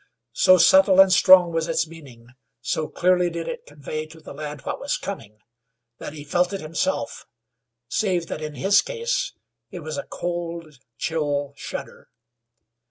So subtle and strong was its meaning, so clearly did it convey to the lad what was coming, that he felt it himself; save that in his case it was a cold, chill shudder.